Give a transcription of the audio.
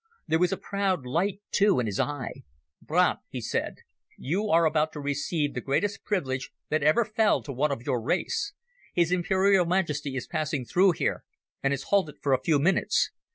There was a proud light, too, in his eye. "Brandt," he said, "you are about to receive the greatest privilege that ever fell to one of your race. His Imperial Majesty is passing through here, and has halted for a few minutes.